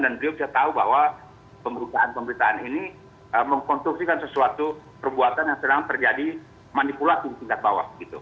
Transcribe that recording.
dan dia bisa tahu bahwa pemerintahan pemerintahan ini mengkonstruksikan sesuatu perbuatan yang sedang terjadi manipulasi tingkat bawah gitu